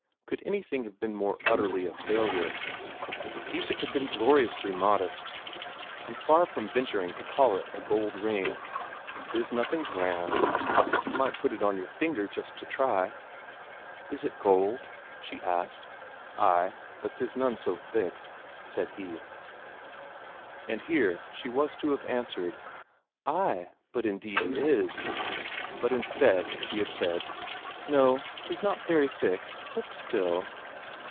Could anything have been more utterly a failure? Isak had been gloriously modest, and far from venturing to call it a gold ring. "'Tis nothing grand, but you might put it on your finger just to try." "Is it gold?" she asked. "Ay, but 'tis none so thick," said he. And here she was to have answered: "Ay, but indeed it is." But instead she had said: "No, 'tis not very thick, but still...."